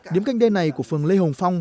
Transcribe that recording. điếm canh đê này của phường lê hồng phong